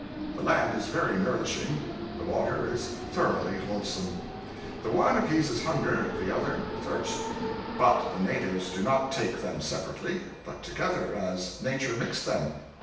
The land is very nourishing, the water is thoroughly wholesome. The one appeases hunger; the other, thirst. But the natives do not take them separately, but together, as nature mixed them.